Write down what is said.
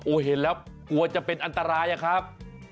เห็นแล้วกลัวจะเป็นอันตรายอะครับ